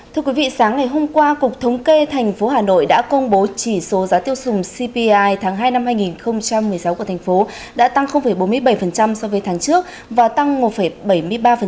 thưa quý vị sáng ngày hôm qua cục thống kê tp hà nội đã công bố chỉ số giá tiêu sùng cpi tháng hai năm hai nghìn một mươi sáu của thành phố đã tăng bốn mươi bảy so với tháng trước và tăng một bảy mươi ba so với cùng kỳ